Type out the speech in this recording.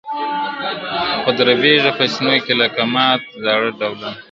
خو دربیږي په سینو کي لکه مات زاړه ډولونه !.